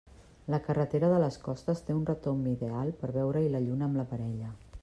La carretera de les Costes té un retomb ideal per veure-hi la lluna amb la parella.